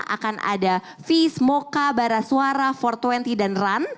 akan ada viz mocha baraswara empat ratus dua puluh dan run